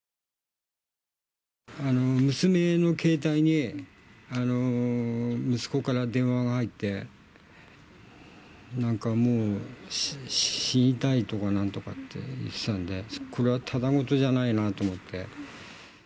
娘の携帯に、息子から電話が入って、なんかもう、死にたいとかなんとかって言ってたんで、これはただ事じゃないなと思って。